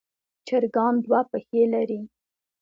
چرګان دوه پښې لري.